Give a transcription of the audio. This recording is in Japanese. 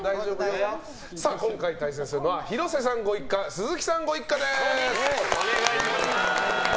今回対戦するのは廣瀬さんご一家鈴木さんご一家です。